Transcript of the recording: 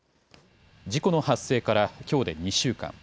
事故の発生からきょうで２週間。